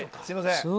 すいません。